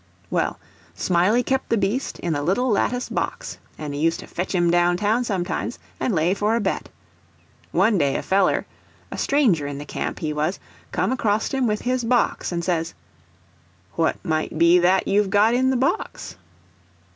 Well, Smiley kep' the beast in a little lattice box, and he used to fetch him downtown sometimes and lay for a bet. One day a feller—a stranger in the camp, he was—come acrost him with his box, and says: "What might be that you've got in the box?"